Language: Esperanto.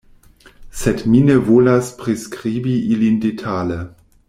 Sed mi ne volas priskribi ilin detale.